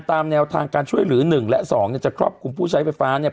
ตามแนวทางการช่วยเหลือ๑และ๒เนี่ยจะครอบคลุมผู้ใช้ไฟฟ้าเนี่ย